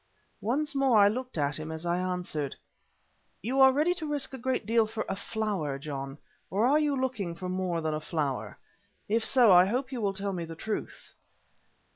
Once more I looked at him as I answered: "You are ready to risk a great deal for a flower, John. Or are you looking for more than a flower? If so, I hope you will tell me the truth."